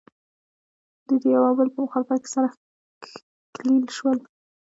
دوی د یو او بل په مخالفت کې سره ښکلیل شول